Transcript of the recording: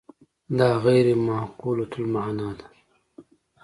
دا غیر معقولة المعنی ده.